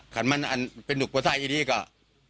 ขันมันอันเป็นลูกประสาทอีดีกว่า